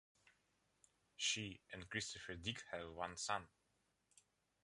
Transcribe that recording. She and Christopher Dick have one son.